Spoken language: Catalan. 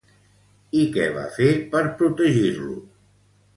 I què va fer per protegir-lo?